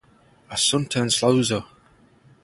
Assunta in Saluzzo.